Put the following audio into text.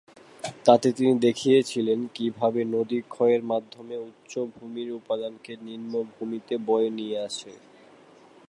তাতে তিনি দেখিয়েছিলেন কি ভাবে নদী ক্ষয়ের মাধ্যমে উচ্চভূমির উপাদানকে নিম্ন ভূমি তে বয়ে নিয়ে আসে।